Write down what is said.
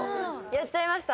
やっちゃいました。